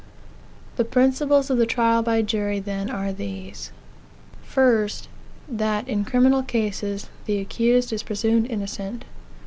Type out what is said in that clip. The principles of the trial by jury, then, are these: 1. That, in criminal cases, the accused is presumed innocent.